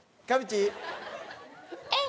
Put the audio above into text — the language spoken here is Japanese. えっ？